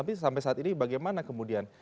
tapi sampai saat ini bagaimana kemudian